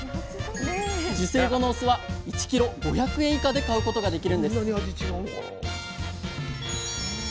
受精後のオスは１ｋｇ５００円以下で買うことができるんです